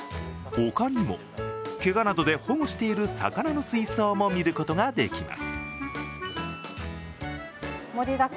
他にも、けがなどで保護している魚の水槽も見ることができます。